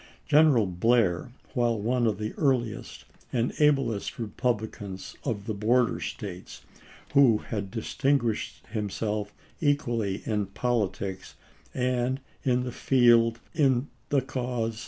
G eneral Blair, while one of the earliest and ablest Republicans of the border States, one who had distinguished him self equally in politics and in the field in the cause 392 ABBAHAM LINCOLN ch. xni.